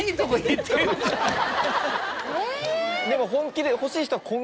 でも本気で欲しい人は。